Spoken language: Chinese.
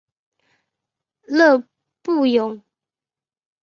勒布永。